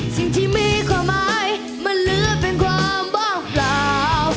สิ่งที่มีความหมายมันเหลือเป็นความว่าเปล่า